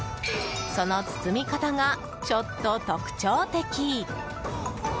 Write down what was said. その包み方がちょっと特徴的。